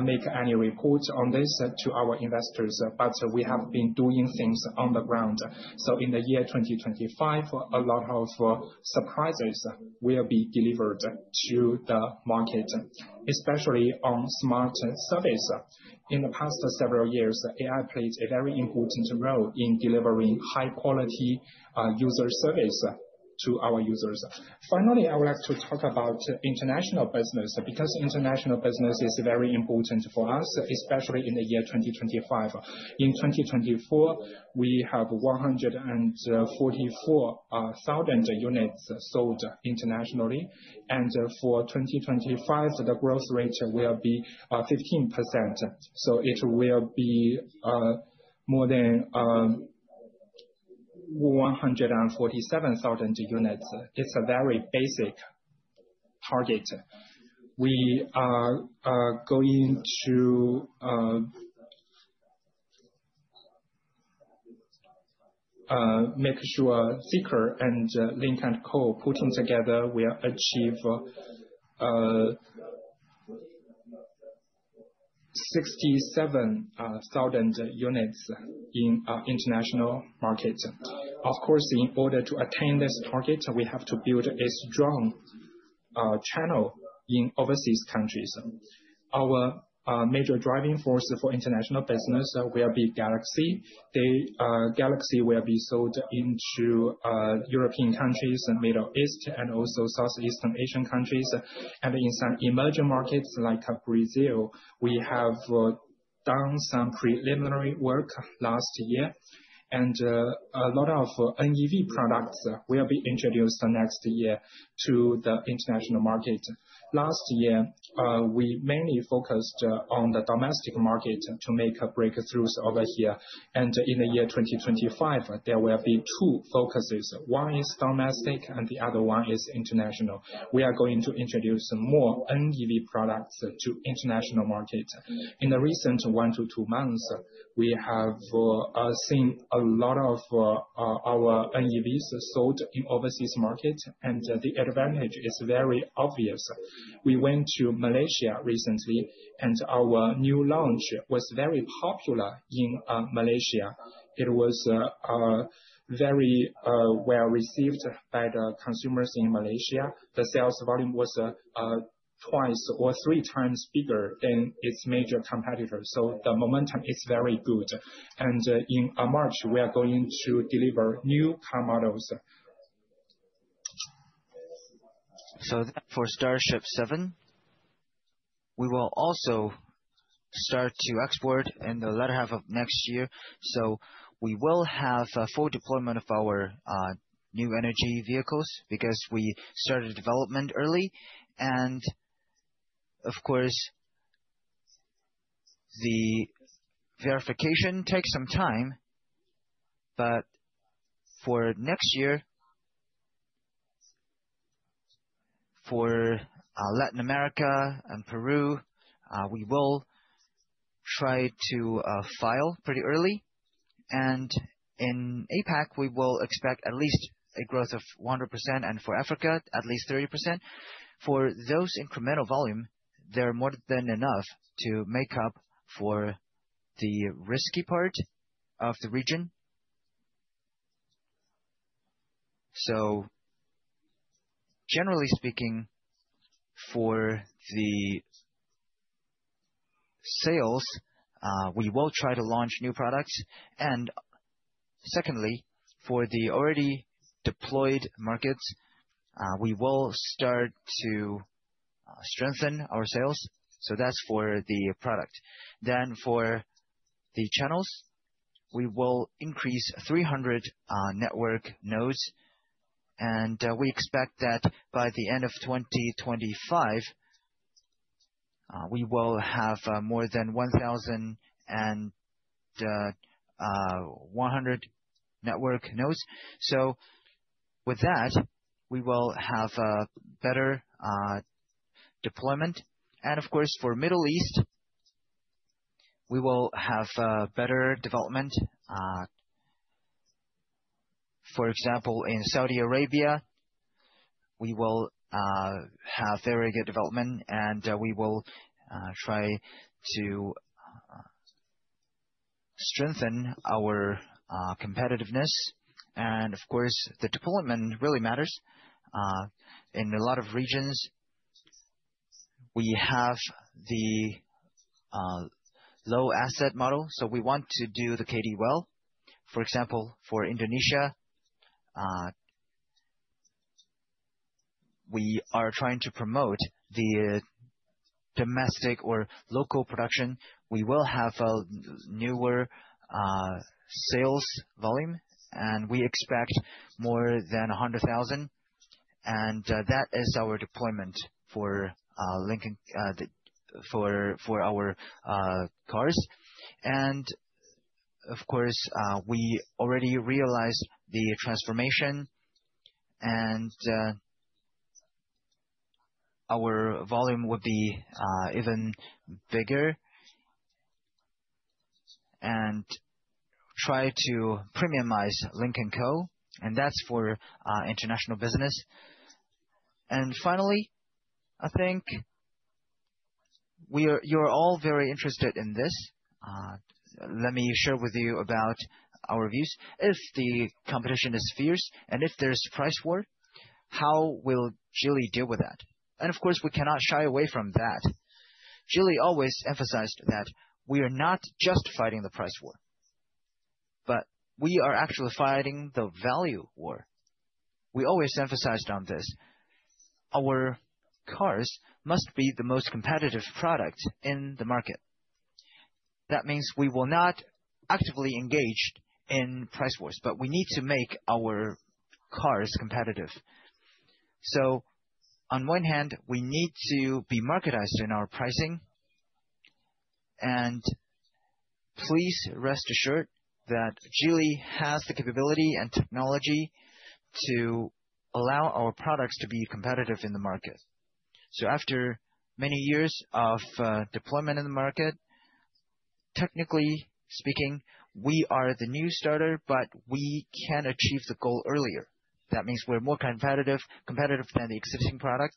make any report on this to our investors, but we have been doing things on the ground. So in the year 2025, a lot of surprises will be delivered to the market, especially on smart service. In the past several years, AI played a very important role in delivering high-quality user service to our users. Finally, I would like to talk about international business because international business is very important for us, especially in the year 2025. In 2024, we have 144,000 units sold internationally, and for 2025, the growth rate will be 15%, so it will be more than 147,000 units. It's a very basic target. We are going to make sure Zeekr and Lynk & Co put in together, we achieve 67,000 units in our international market. Of course, in order to attain this target, we have to build a strong channel in overseas countries. Our major driving force for international business will be Galaxy. Galaxy will be sold into European countries, Middle East, and also Southeast Asian countries, and in some emerging markets like Brazil, we have done some preliminary work last year, and a lot of NEV products will be introduced next year to the international market. Last year, we mainly focused on the domestic market to make breakthroughs over here. In the year 2025, there will be two focuses. One is domestic, and the other one is international. We are going to introduce more NEV products to the international market. In the recent one to two months, we have seen a lot of our NEVs sold in the overseas market, and the advantage is very obvious. We went to Malaysia recently, and our new launch was very popular in Malaysia. It was very well received by the consumers in Malaysia. The sales volume was twice or three times bigger than its major competitors. The momentum is very good. In March, we are going to deliver new car models. For Starship 7, we will also start to export in the latter half of next year. So we will have full deployment of our new energy vehicles because we started development early. And of course, the verification takes some time. But for next year, for Latin America and Peru, we will try to file pretty early. And in APAC, we will expect at least a growth of 100%, and for Africa, at least 30%. For those incremental volume, they're more than enough to make up for the risky part of the region. So generally speaking, for the sales, we will try to launch new products. And secondly, for the already deployed markets, we will start to strengthen our sales. So that's for the product. Then for the channels, we will increase 300 network nodes. And we expect that by the end of 2025, we will have more than 1,100 network nodes. So with that, we will have better deployment. And of course, for the Middle East, we will have better development. For example, in Saudi Arabia, we will have very good development, and we will try to strengthen our competitiveness. And of course, the deployment really matters. In a lot of regions, we have the low-asset model. So we want to do the KD well. For example, for Indonesia, we are trying to promote the domestic or local production. We will have newer sales volume, and we expect more than 100,000. And that is our deployment for our cars. And of course, we already realized the transformation, and our volume would be even bigger and try to premiumize Lynk & Co and that's for international business. And finally, I think you're all very interested in this. Let me share with you about our views. If the competition is fierce and if there's price war, how will Geely deal with that? Of course, we cannot shy away from that. Geely always emphasized that we are not just fighting the price war, but we are actually fighting the value war. We always emphasized on this. Our cars must be the most competitive product in the market. That means we will not actively engage in price wars, but we need to make our cars competitive. On one hand, we need to be marketized in our pricing. Please rest assured that Geely has the capability and technology to allow our products to be competitive in the market. After many years of deployment in the market, technically speaking, we are the new starter, but we can achieve the goal earlier. That means we're more competitive than the existing product.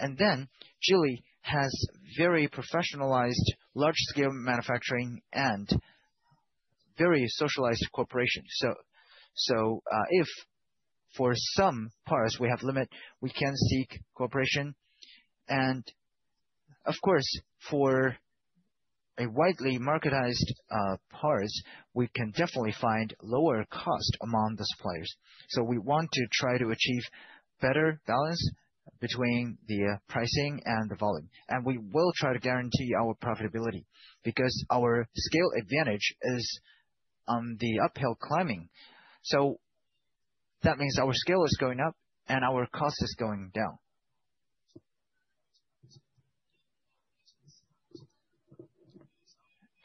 Geely has very professionalized large-scale manufacturing and very socialized corporations. So if for some parts we have limit, we can seek cooperation. And of course, for a widely marketized parts, we can definitely find lower costs among the suppliers. So we want to try to achieve better balance between the pricing and the volume. And we will try to guarantee our profitability because our scale advantage is on the uphill climbing. So that means our scale is going up and our cost is going down.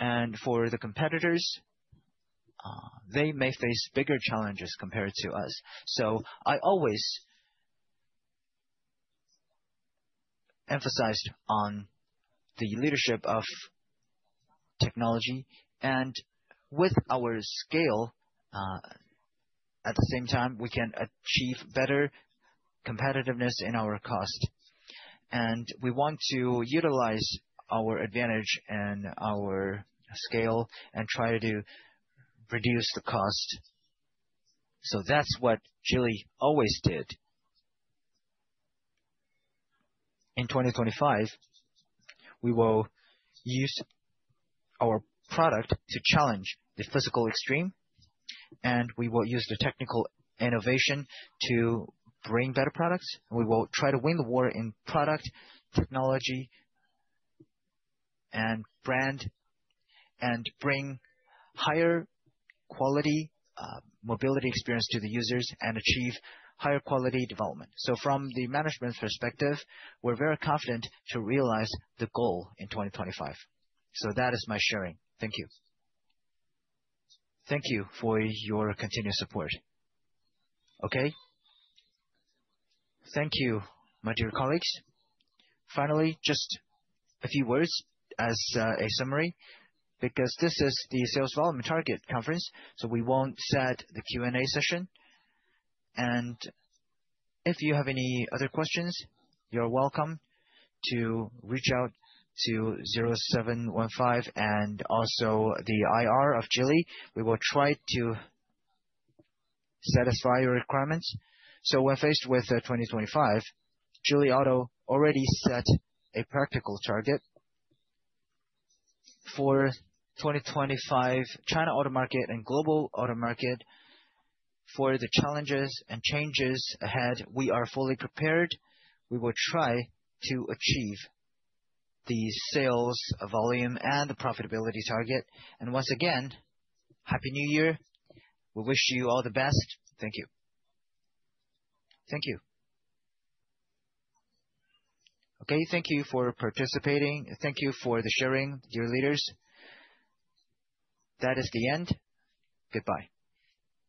And for the competitors, they may face bigger challenges compared to us. So I always emphasized on the leadership of technology. And with our scale, at the same time, we can achieve better competitiveness in our cost. And we want to utilize our advantage and our scale and try to reduce the cost. So that's what Geely always did. In 2025, we will use our product to challenge the physical extreme, and we will use the technical innovation to bring better products. We will try to win the war in product technology and brand and bring higher quality mobility experience to the users and achieve higher quality development. So from the management's perspective, we're very confident to realize the goal in 2025. So that is my sharing. Thank you. Thank you for your continued support. Okay. Thank you, my dear colleagues. Finally, just a few words as a summary because this is the Sales Volume Target Conference, so we won't set the Q&A session. And if you have any other questions, you're welcome to reach out to 0715 and also the IR of Geely. We will try to satisfy your requirements. So when faced with 2025, Geely Auto already set a practical target for 2025 China auto market and global auto market. For the challenges and changes ahead, we are fully prepared. We will try to achieve the sales volume and the profitability target. And once again, Happy New Year. We wish you all the best. Thank you. Thank you. Okay. Thank you for participating. Thank you for the sharing, dear leaders. That is the end. Goodbye.